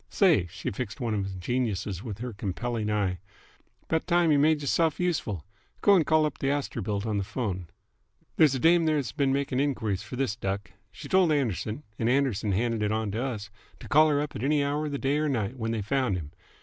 Say!" She fixed one of the geniuses with her compelling eye. "'Bout time y' made y'rself useful. Go'n call up th' Astorbilt on th' phone. There's a dame there that's been making the enquiries f'r this duck. She told Anderson's and Anderson's handed it on to us to call her up any hour of the day 'r night when they found him.